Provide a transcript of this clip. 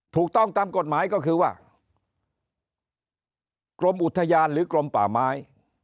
ถูกต้องตามกฎหมายก็คือว่ากรมอุทยานหรือกรมป่าไม้